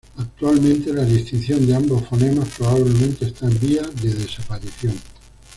Actualmente la distinción de ambos fonemas probablemente está en vías de desaparición.